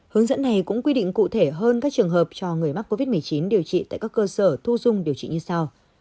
hướng dẫn này cũng quy định cụ thể hơn các trường hợp cho người mắc covid một mươi chín điều trị tại các cơ sở thu dung điều trị như sau